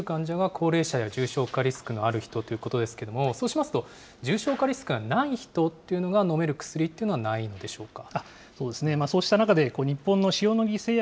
服用できる患者は、高齢者や重症化リスクのある人ということですけれども、そうしますと、重症化リスクがない人っていうのが飲める薬というのはないんでしょうか。